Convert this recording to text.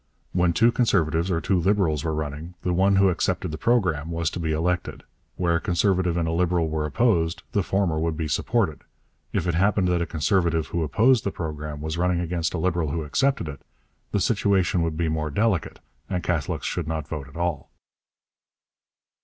When two Conservatives or two Liberals were running, the one who accepted the Programme was to be elected; where a Conservative and a Liberal were opposed, the former would be supported; if it happened that a Conservative who opposed the Programme was running against a Liberal who accepted it, 'the situation would be more delicate' and Catholics should not vote at all.